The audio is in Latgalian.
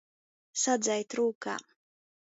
Sadzeit rūkā.